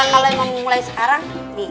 kalo yang mau mulai sekarang